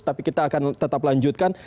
tapi kita akan tetap lanjutkan